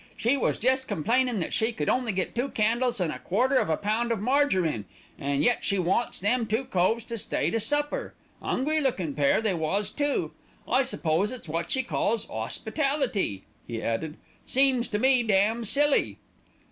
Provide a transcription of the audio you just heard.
"She was jest complaining that she could only get two candles and a quarter of a pound of marjarine, and yet she wants them two coves to stay to supper, 'ungry lookin' pair they was too. I s'pose it's wot she calls 'ospitality," he added; "seems to me damn silly."